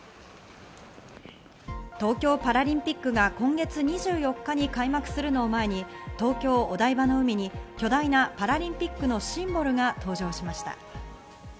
東京パラリンピックが今月２４日に開幕するのを前に、東京・お台場の海に巨大なパラリンピックのシンボルが登場しました。